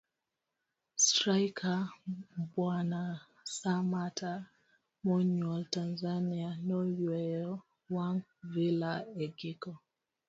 straika Mbwana Samatta monyuol Tanzania noyueyo wang' Villa e giko